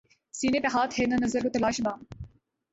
سینے پہ ہاتھ ہے نہ نظر کو تلاش بام